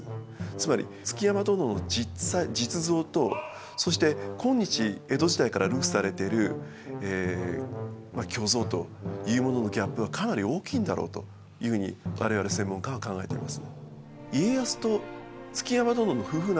つまり築山殿の実像とそして今日江戸時代から流布されてるまあ虚像というもののギャップはかなり大きいんだろうというふうに我々専門家は考えています。